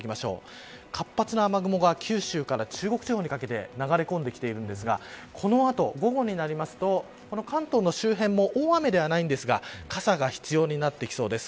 活発な雨雲が九州から中国地方にかけて流れ込んできていますがこの後、午後になると関東周辺も大雨ではないんですが傘が必要になってきそうです。